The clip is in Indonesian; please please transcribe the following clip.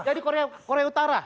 jadi korea utara